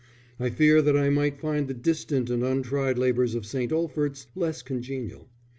_ _I fear that I might find the distant and untried labours of St. Olphert's less congenial.